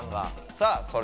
さあ。